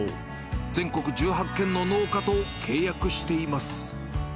全国１８軒の農家と契約しています。